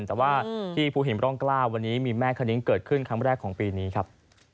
แต่ว่าที่ภูหินร่องกล้าวันนี้มีแม่คณิ้งเกิดขึ้นครั้งแรกของปีนี้ครับ